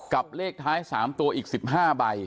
เลขท้าย๓ตัวอีก๑๕ใบ